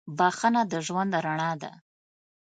• بخښنه د ژوند رڼا ده.